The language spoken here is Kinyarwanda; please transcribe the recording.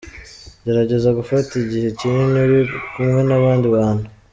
Gerageza gufata igihe kinini uri kumwe n’abandi bantu:.